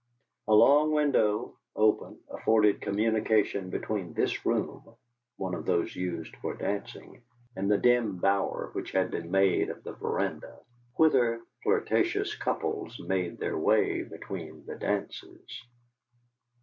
A long window, open, afforded communication between this room, one of those used for dancing, and the dim bower which had been made of the veranda, whither flirtatious couples made their way between the dances.